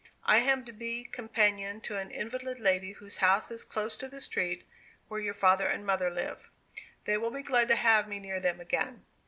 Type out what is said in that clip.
I am to be companion to an invalid lady whose house is close to the street where your father and mother live. They will be glad to have me near them again."